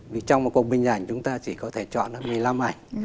vì trong một cuộc bình ảnh chúng ta chỉ có thể chọn được một mươi năm ảnh